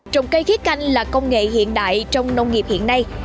trồng cây khí canh là công nghệ hiện đại trong nông nghiệp hiện nay